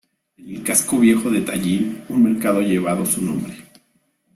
En el casco viejo de Tallin un mercado llevado su nombre.